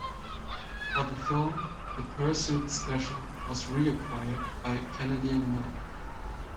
For the film, the Pursuit Special was reacquired by Kennedy and Miller.